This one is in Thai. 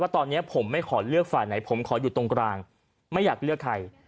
ตอนนี้ผมไม่ขอเลือกฝ่ายไหนผมขออยู่ตรงกลางไม่อยากเลือกใคร